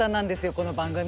この番組。